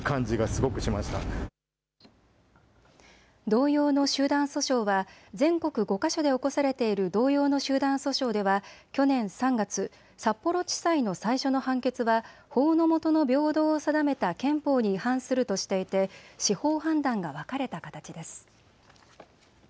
同様の集団訴訟は全国５か所で起こされている同様の集団訴訟では去年３月、札幌地裁の最初の判決は法の下の平等を定めた憲法に違反するとしていて司法判断が分かれた形です。